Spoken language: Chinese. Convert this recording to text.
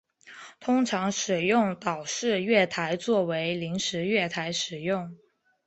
通常使用岛式月台作为临时月台使用。